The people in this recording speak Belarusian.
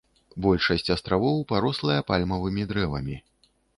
Большасць астравоў парослая пальмавымі дрэвамі.